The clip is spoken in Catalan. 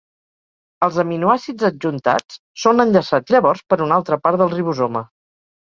Els aminoàcids adjuntats són enllaçats llavors per una altra part del ribosoma.